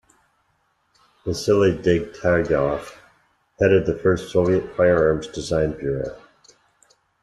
Vasily Degtyaryov headed the first Soviet firearms design bureau.